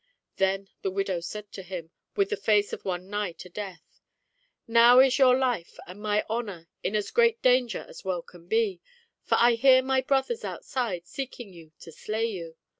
Then the widow said to him, with the face of one nigh to death " Now is your life and my honour in as great danger as well can be, for I hear my brothers outside seeking you to slay you.